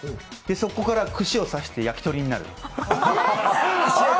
そこから串を刺して焼き鳥になる？